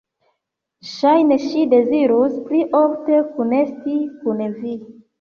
Ŝajne ŝi dezirus pli ofte kunesti kun Vi!